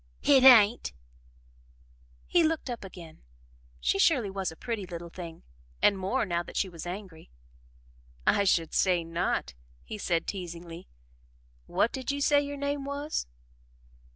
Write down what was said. "Hit hain't!" He looked up again. She surely was a pretty little thing and more, now that she was angry. "I should say not," he said teasingly. "What did you say your name was?"